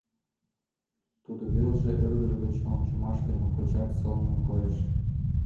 Тудо велже ӧрдыж гыч ончымаште моткочак сылнын коеш.